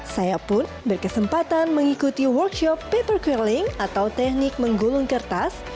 saya pun berkesempatan mengikuti workshop paper curling atau teknik menggulung kertas